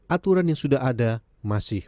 aturan yang sudah ada masih